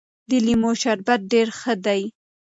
د لیمو شربت ډېر ښه دی.